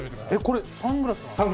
これサングラスなんですか？